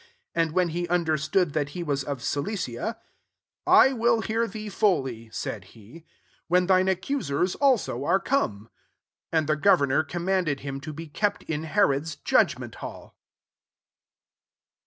And when he understood that he was of Cilicia, 35 <' I will hear thee fully," said he, << when thine accusers alflo are come." And the gvoemor cimb manded him to be kept in Herod's judgment hall.